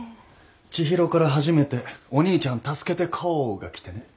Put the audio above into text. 知博から初めてお兄ちゃん助けてコールが来てね。